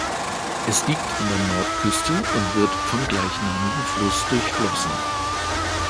Es liegt an der Nordküste und wird vom gleichnamigen Fluss durchflossen.